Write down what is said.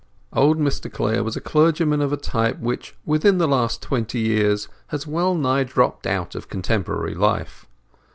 Old Mr Clare was a clergyman of a type which, within the last twenty years, has well nigh dropped out of contemporary life.